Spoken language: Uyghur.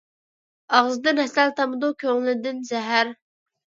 ئاغزىدىن ھەسەل تامىدۇ، كۆڭلىدىن زەھەر.